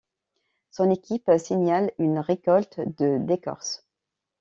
Son équipe signale une récolte de d'écorces.